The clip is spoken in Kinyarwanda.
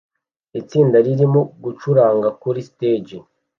Itsinda ririmo gucuranga kuri stage